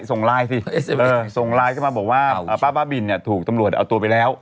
ส่งไลน์เข้ามาบอกว่าป้าบิ่นถูกตำรวจเอาตัวไปแล้ว